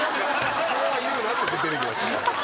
これは言うなって言って出て行きました。